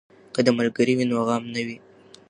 که ملګری وي نو غم نه وي.